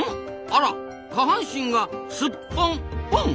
あら下半身がすっぽんぽん。